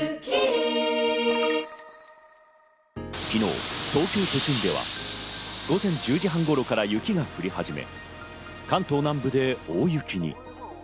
昨日、東京都心では午前１０時半頃から雪が降り始め、関東南部で大雪に。